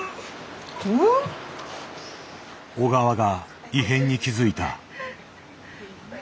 小川が異変に気付いた。